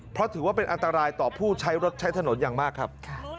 เพราะถือว่าเป็นอันตรายต่อผู้ใช้รถใช้ถนนอย่างมากครับ